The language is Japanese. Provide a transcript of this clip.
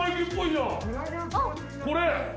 これ！